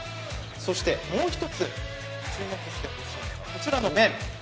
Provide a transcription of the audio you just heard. そしてもう１つ、注目してほしいのはこちらの麺。